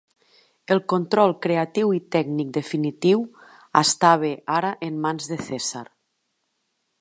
El control creatiu i tècnic definitiu estava ara en mans de Cèsar.